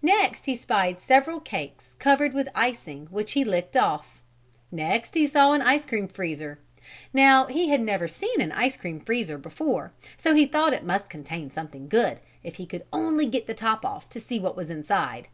Next he spied several cakes covered with icing which he licked off. Next he saw an ice cream freezer. Now he had never seen an ice cream freezer before so he thought it must contain something good if he could only get the top off to see what was inside.